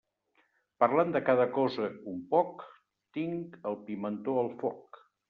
Parlant de cada cosa un poc, tinc el pimentó al foc.